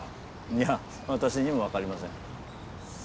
いや私にもわかりません。